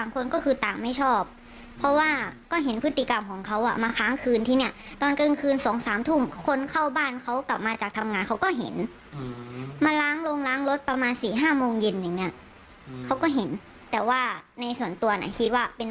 เขาไม่ควรมาทำแบบนี้